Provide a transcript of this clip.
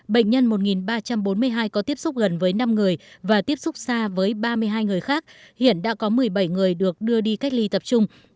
bệnh nhân một ba trăm bốn mươi hai có tiếp xúc gần với năm người và tiếp xúc xa với ba mươi hai người khác hiện đã có một mươi bảy người được đưa đi cách ly tập trung